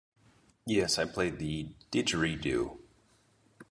Yes I play the didgeridoo.